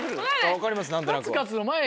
分かります何となく。